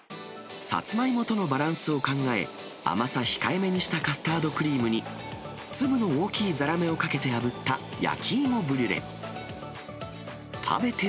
サツマイモとのバランスを考え、甘さ控えめにしたカスタードクリームに、粒の大きいざらめをかけてあぶった焼き芋ブリュレ。